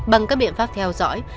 bằng các biện pháp theo dõi